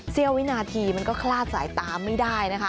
วินาทีมันก็คลาดสายตาไม่ได้นะคะ